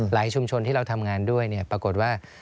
ชุมชนที่เราทำงานด้วยปรากฏว่า